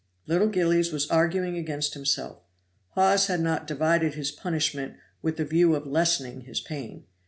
Little Gillies was arguing against himself. Hawes had not divided his punishment with the view of lessening his pain.